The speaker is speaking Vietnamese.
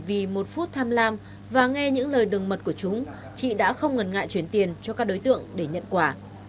cũng chỉ vì một phút tham làm và nghe những lời đừng mật của chúng chị đã không ngần ngại chuyển tiền cho các đối tượng để nhận quà